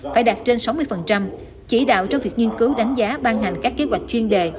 phải đạt trên sáu mươi chỉ đạo trong việc nghiên cứu đánh giá ban hành các kế hoạch chuyên đề